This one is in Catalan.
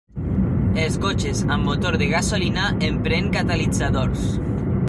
Els cotxes amb motor de gasolina empren catalitzadors.